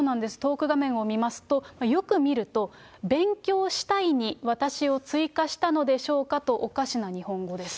トーク画面を見ますと、よく見ると、勉強したいに私を追加したのでしょうか？とおかしな日本語です。